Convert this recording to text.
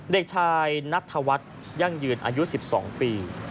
เด็กชายนัทธวัฒน์ยั่งยืนอายุ๑๒ปี